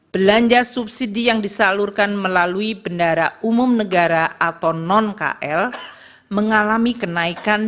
belanja subsidi yang disalurkan melalui bendara umum negara atau non kl mengalami kenaikan